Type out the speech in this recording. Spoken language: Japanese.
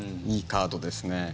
いいカードですね。